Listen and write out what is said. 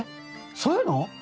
そういうの？